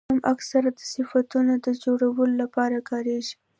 نوم اکثره د صفتونو د جوړولو له پاره کاریږي.